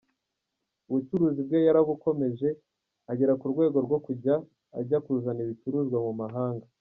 Ubucuruzi bwe yarabukomeje, agera ku rwego rwo kujya ajya kuzana ibicuruzwa mu mahanga.